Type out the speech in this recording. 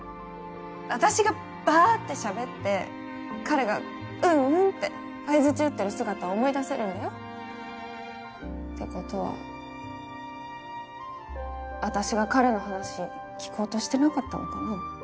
あたしがばーってしゃべって彼がうんうんって相づち打ってる姿は思い出せるんだよ。ってことはあたしが彼の話聞こうとしてなかったのかな？